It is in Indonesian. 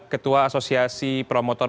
ketua asosiasi promotor